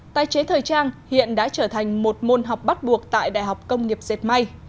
tài chế thời trang hiện đã trở thành một môn học bắt buộc tại đại học công nghiệp dệt may